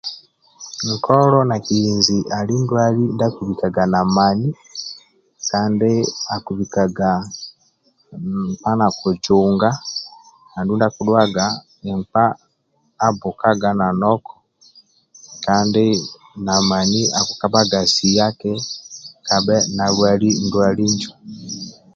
Nkolo na kihinzi ali ndwali ndia akibikaga na mani kandi akubikaga nkpa nakujunga andulu ndia akidhuwaga nkpa abhukaga nanoko kandi na mani akikabhaga siaki kabhe nalwali ndwali injo.